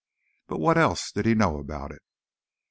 But what else did he know about it?